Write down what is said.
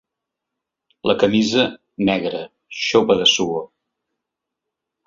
La camisa, negra, xopa de suor.